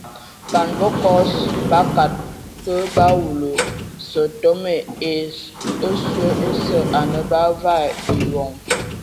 Ban bəkɔs bakad kə ba wulu sƐntome ai oswe osə anə bə mvaa biwoŋ.